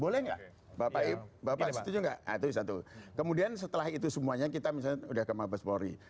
boleh nggak bapak setuju nggak itu satu kemudian setelah itu semuanya kita misalnya sudah ke mabes polri